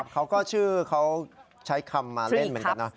เขาก็ชื่อเขาใช้คำมาเล่นเหมือนกันนะ